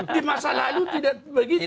di masa lalu tidak begitu